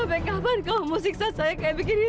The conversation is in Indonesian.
aku mencintai dewi ma